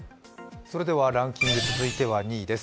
ランキング、続いては２位です。